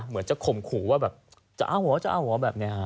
เหมือนจะข่มขู่ว่าแบบจะเอาเหรอจะเอาเหรอแบบนี้ฮะ